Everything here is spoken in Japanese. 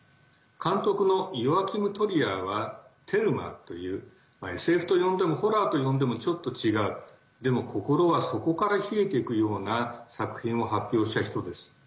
監督のヨアキム・トリアーは「テルマ」というＳＦと呼んでもホラーと呼んでもちょっと違うでも心は底から冷えていくような作品を発表した人です。